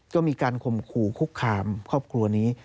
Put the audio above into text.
ก็มีการข่มขู่คุกคามครอบครัวนี้